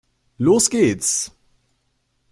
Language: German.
Los geht's!